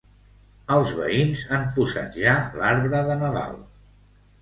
Els veïns han posat ja l'arbre de Nadal.